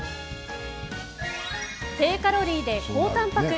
低カロリーで高たんぱく。